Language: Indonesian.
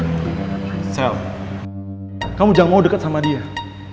bukan semua bokap dia yang udah nyakitin perasaan kamu